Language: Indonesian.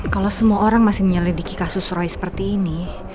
kalau semua orang masih menyelidiki kasus roy seperti ini